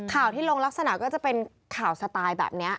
ข่าวที่ลงลักษณะก็จะเป็นข่าวสไตล์แบบนี้